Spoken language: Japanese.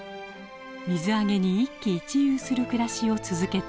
水揚げに一喜一憂する暮らしを続けています。